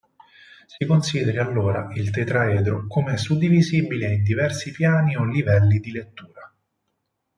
Si consideri allora il tetraedro come suddivisibile in diversi piani o livelli di lettura.